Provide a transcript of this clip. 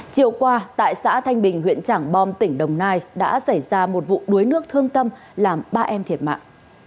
chiều qua tại xã thanh bình huyện trảng bom tỉnh đồng nai đã xảy ra một vụ đuối nước thương tâm làm ba em thiệt mạng